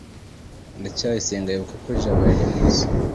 ndacyayisenga yibuka ko jabo yari mwiza